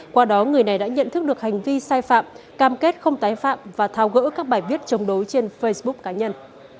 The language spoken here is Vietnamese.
qua đó người này đã nhận thức được hành vi sai phạm cam kết không tái phạm và thao gỡ các bài viết chống đối trên facebook cá nhân